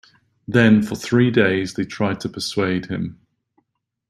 Then for three days they tried to persuade him.